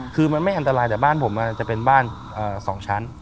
คือมันไม่อันตรายแต่บ้านผมจะเป็นบ้าน๒ชั้น